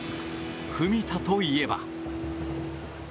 文田といえば。